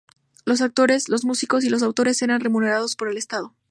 Los actores, los músicos y los autores, eran remunerados por el Estado.